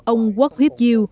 ông wok huyp yu